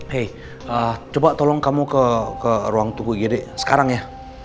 hei coba tolong kamu ke ruang tunggu igd sekarang ya